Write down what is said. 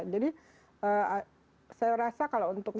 jadi saya rasa kalau untuk